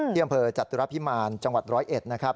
เที่ยมเผลอจัตรุรัพย์มานจังหวัดร้อยเอ็ดนะครับ